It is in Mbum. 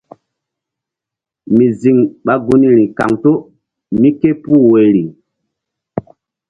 Mi ziŋ ɓa gunri kaŋto mí ké puh woirii.